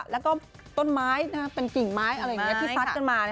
แล้วก็ต้นไม้เป็นกิ่งไม้อะไรอย่างนี้ที่ซัดกันมา